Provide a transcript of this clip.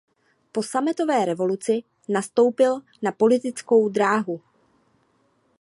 Po sametové revoluci nastoupil na politickou dráhu.